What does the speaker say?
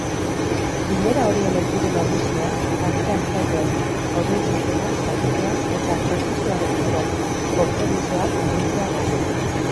Bilera horien helburu nagusia parte-hartzaileen aurreikuspenak jakitea eta prozesuarekiko konpromisoak biltzea da.